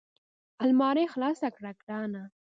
المارۍ خلاصه کړه ګرانه !